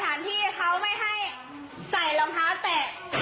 สถานที่เขาไม่ให้ใส่ลำคร้าวแตะเข้าไป